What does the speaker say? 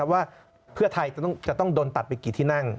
ว่าเพื่อไทยจะต้องโดนตัดไปกี่ที่นั่ง